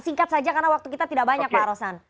singkat saja karena waktu kita tidak banyak pak rosan